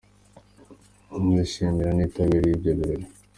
nka yishimirwa n’abitabiriye ibyo birori.